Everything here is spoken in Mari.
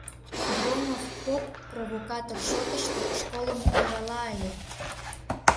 Громов поп провокатор шотышто школым арала ыле.